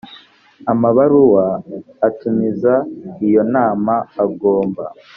amabaruwa atumiza iyo inama agomba